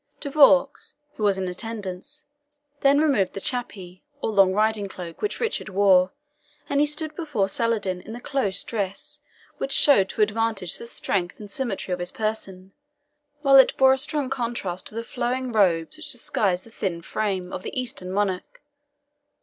De Vaux, who was in attendance, then removed the chappe (CAPA), or long riding cloak, which Richard wore, and he stood before Saladin in the close dress which showed to advantage the strength and symmetry of his person, while it bore a strong contrast to the flowing robes which disguised the thin frame. of the Eastern monarch.